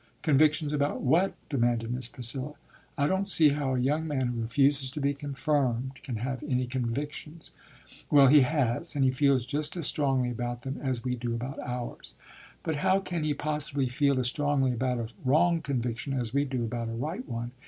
"Convictions about what?" demanded Miss Priscilla. "I don't see how a young man who refuses to be confirmed can have any convictions." "Well, he has, and he feels just as strongly about them as we do about ours." "But how can he possibly feel as strongly about a wrong conviction as we do about a right one?"